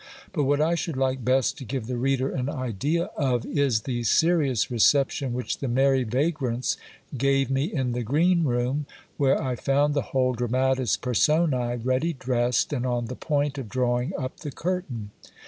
But what I should like best to give the reader an idea of, is the serious reception which the merry vagrants gave me in the green room, where I found the whole dramatis personse ready dressed, and on the point of drawing up the curtain.